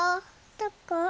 どこ？